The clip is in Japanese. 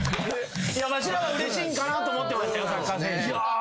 わしらはうれしいんかなと思ってサッカー選手。